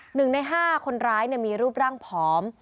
หนึ่งในห้าคนร้ายมีรูปร่างผอม